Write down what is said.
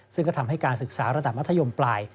ซึ่งก็ทำให้การศึกษาระดับมัธยมปลาย